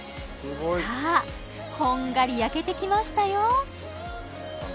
さあこんがり焼けてきましたよ